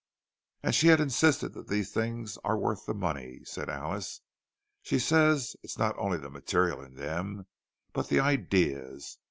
"And she insists that these things are worth the money," said Alice. "She says it's not only the material in them, but the ideas.